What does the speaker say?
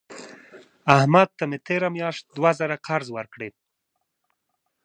احمد ته مې تېره میاشت دوه زره قرض ورکړې.